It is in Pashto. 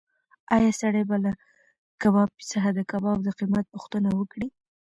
ایا سړی به له کبابي څخه د کباب د قیمت پوښتنه وکړي؟